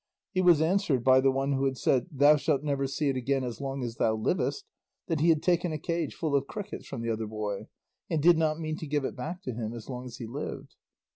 He was answered by the one who had said, "Thou shalt never see it again as long as thou livest," that he had taken a cage full of crickets from the other boy, and did not mean to give it back to him as long as he lived.